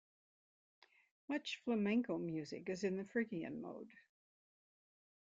Much Flamenco music is in the Phrygian mode.